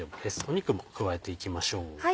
肉も加えていきましょう。